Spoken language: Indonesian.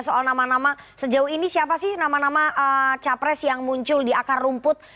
soal nama nama sejauh ini siapa sih nama nama capres yang muncul di akar rumput